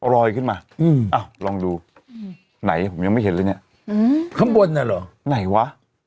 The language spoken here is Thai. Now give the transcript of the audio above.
ลอยขึ้นมาลองดูไหนผมยังไม่เห็นเลยเนี่ยข้างบนน่ะเหรอไหนวะ